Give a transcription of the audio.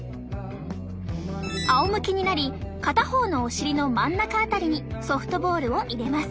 あおむけになり片方のお尻の真ん中辺りにソフトボールを入れます。